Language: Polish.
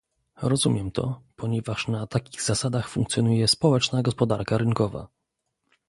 Rozumiem to, ponieważ na takich zasadach funkcjonuje społeczna gospodarka rynkowa